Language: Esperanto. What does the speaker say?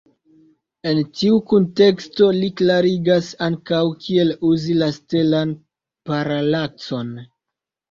En tiu kunteksto li klarigas ankaŭ, kiel uzi la stelan paralakson.